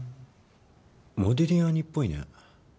モディリアーニっぽいね。